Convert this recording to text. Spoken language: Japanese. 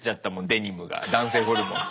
デニムが男性ホルモンで。